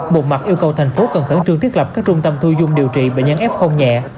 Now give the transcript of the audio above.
một mặt yêu cầu thành phố cần khẩn trương thiết lập các trung tâm thu dung điều trị bệnh nhân f nhẹ